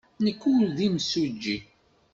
Nekk ur d imsujji.